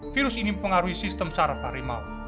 virus ini mengaruhi sistem syarat harimau